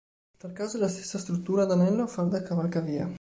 In tal caso è la stessa struttura ad anello a far da cavalcavia.